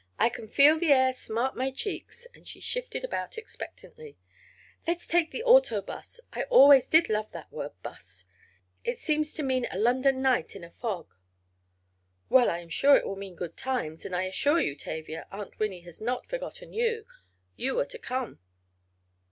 "I can feel the air smart my cheeks," and she shifted about expectantly. "Let's take the auto bus—I always did love that word bus. It seems to mean a London night in a fog." "Well, I am sure it will mean good times, and I assure you, Tavia, Aunt Winnie has not forgotten you. You are to come."